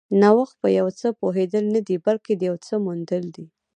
نوښت په یو څه پوهېدل نه دي، بلکې د یو څه موندل دي.